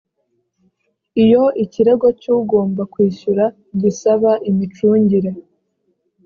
iyo ikirego cy ugomba kwishyura gisaba imicungire